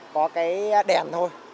có cái đèn thôi